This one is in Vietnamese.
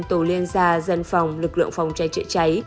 tổ liên gia dân phòng lực lượng phòng cháy chữa cháy